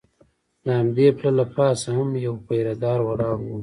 د همدې پله له پاسه هم یو پیره دار ولاړ و.